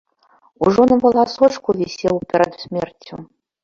Ужо на валасочку вісеў перад смерцю.